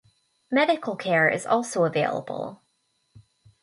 Medical care is also available.